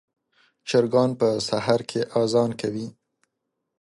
چرګان په سهار کې اذان کوي.